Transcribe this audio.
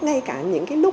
ngay cả những cái lúc